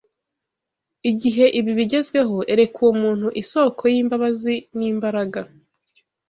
Igihe ibi bigezweho, ereka uwo muntu isoko y’imbabazi n’imbaraga